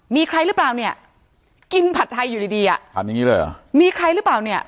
มีใครหรือเปล่าเนี่ยกินผัดไทยอยู่ดีอะมีใครหรือเปล่าเนี่ย